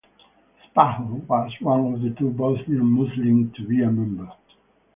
Spaho was one of the two Bosnian Muslims to be a member.